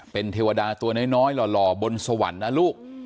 เป็นเทวดาตัวน้อยหล่อบนสวรรค์นะลูก